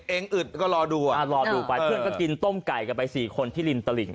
อึดก็รอดูอ่ะรอดูไปเพื่อนก็กินต้มไก่กันไปสี่คนที่ริมตลิ่ง